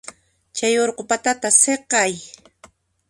Chay urqu patata siqay.